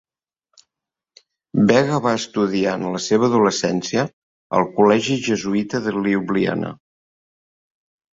Vega va estudiar en la seva adolescència al col·legi jesuïta de Ljubljana.